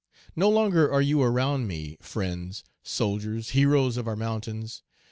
No longer are you around me, friends, soldiers, heroes of our mountains!